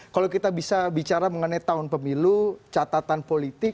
kalau kita bisa bicara mengenai tahun pemilu catatan politik dua ribu delapan belas